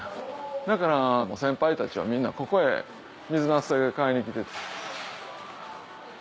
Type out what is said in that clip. だから先輩たちはみんなここへ水なす買いに来てた。